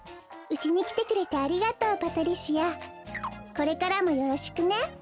これからもよろしくね。